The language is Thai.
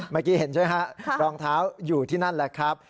เมื่อกี้เห็นใช่ไหมฮะรองเท้าอยู่ที่นั่นแหละครับ